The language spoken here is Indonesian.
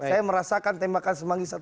saya merasakan tembakan semanggi satu dan dua